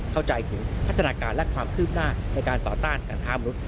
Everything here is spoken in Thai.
เข้าใจถึงพัฒนาการและความคืบหน้าในการต่อต้านการข้ามนุษย